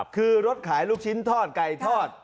คือรถขายลูกชิ้นทอดไก่ทอด